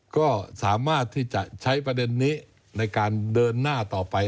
ก็สามารถที่จะใช้ประเด็นนี้ในการเดินหน้าต่อไป